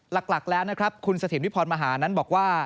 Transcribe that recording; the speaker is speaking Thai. หลักแล้วคุณเสถียรวิพรมหานั้นบอกว่า